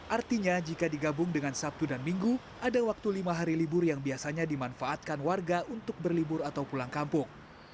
artinya jika digabung dengan sabtu dan minggu ada waktu lima hari libur yang biasanya dimanfaatkan warga untuk berlibur atau pulang kampung